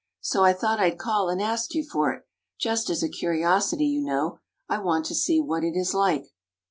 So I thought I'd call and ask you for it—just as a curiosity, you know. I want to see what it is like."